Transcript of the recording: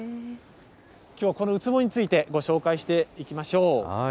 きょうはこのウツボについてご紹介していきましょう。